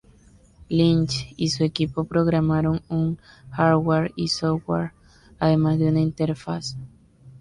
Lynch y su equipo programaron un hardware y software, además de una interfaz.